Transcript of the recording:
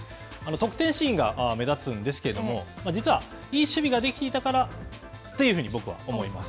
得点シーンが目立つんですけれども、実は、いい守備ができたからというふうに僕は思います。